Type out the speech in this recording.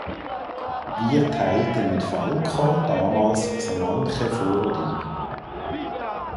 Wir teilten mit Falco damals so manche Vorlieben“.